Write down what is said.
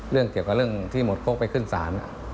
เรื่องเกี่ยวกับเรื่องที่หมดโป๊กไปขึ้นศาล